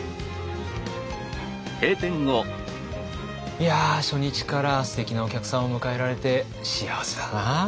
いや初日からすてきなお客さんを迎えられて幸せだな。